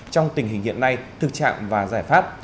trong tình hình hiện nay thực trạng và giải pháp